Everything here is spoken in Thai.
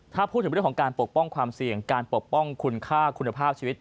ถ้าพูดถึงเรื่องของการปกป้องความเสี่ยงการปกป้องคุณค่าคุณภาพชีวิต